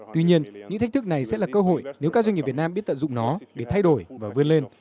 tuy nhiên những thách thức này sẽ là cơ hội nếu các doanh nghiệp việt nam biết tận dụng nó để thay đổi và vươn lên